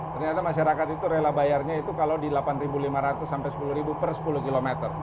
ternyata masyarakat itu rela bayarnya itu kalau di rp delapan lima ratus sampai rp sepuluh per sepuluh km